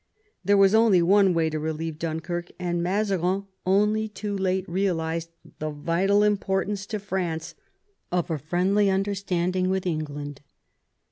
There was only one way to relieve Dunkirk, and Mazarin only too late realised the vital importance to France of a friendly understanding with England.